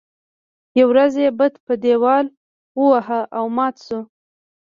يوه ورځ یې بت په دیوال وواهه او مات شو.